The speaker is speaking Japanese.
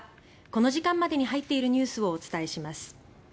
この時間までに入っているニュースをお伝えします。